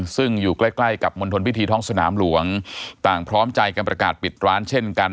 ซึ่งอยู่ใกล้ใกล้กับมณฑลพิธีท้องสนามหลวงต่างพร้อมใจกันประกาศปิดร้านเช่นกัน